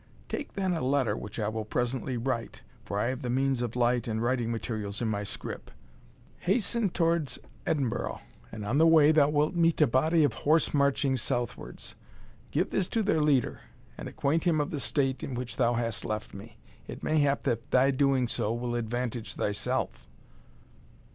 "Take then a letter which I will presently write, for I have the means of light and writing materials in my scrip Hasten towards Edinburgh, and on the way thou wilt meet a body of horse marching southwards Give this to their leader, and acquaint him of the state in which thou hast left me. It may hap that thy doing so will advantage thyself."